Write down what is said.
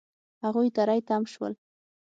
هغوی تری تم شول.